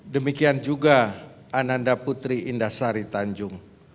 demikian juga ananda putri indah sari tanjung